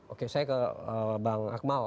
oke saya ke bang akmal